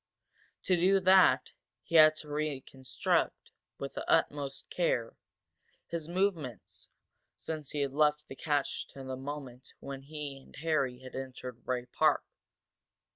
To do that he had to reconstruct, with the utmost care, his movements since he had left the cache to the moment when he and Harry had entered Bray Park.